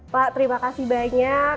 pak terima kasih banyak